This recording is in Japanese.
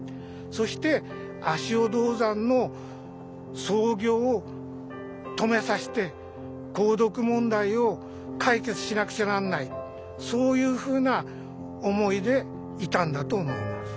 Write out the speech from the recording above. そして足尾銅山の操業を止めさせて鉱毒問題を解決しなくちゃなんないそういうふうな思いでいたんだと思います。